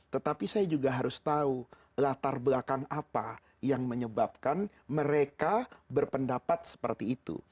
tetapi saya juga harus tahu latar belakang apa yang menyebabkan mereka berpendapat seperti itu